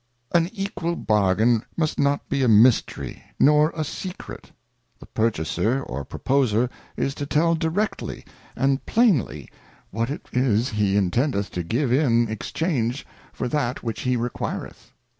An equal Bargain must not be a Mystery nor a Secret, The purchaser or proposer is to tell directly and plainly, what it 112 The Anatomy of an Equivalent. it is he intendeth to give in Exchange for that which he requireth.